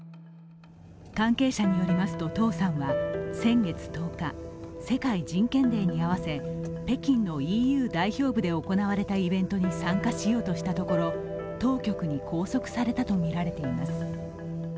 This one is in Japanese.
関係者によりますと唐さんは先月１０日、世界人権デーに合わせ北京のＥＵ代表部で行われたイベントに参加しようとしたところ、当局に拘束されたとみられています。